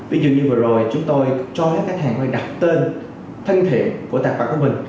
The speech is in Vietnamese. ví dụ như vừa rồi chúng tôi cho các khách hàng đặt tên thân thiện của tài khoản của mình